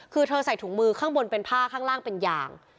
คือเธอใส่ถุงมือข้างบนเป็นผ้าข้างล่างเป็นยาง